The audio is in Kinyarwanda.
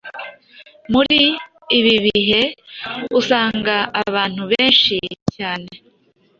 Muri ibi bihe usanga abantu benshi cyane